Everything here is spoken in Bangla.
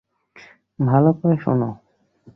ভালো করে শোনো!